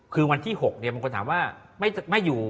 คือวันที่๖บางคนถามว่าไม่อยู่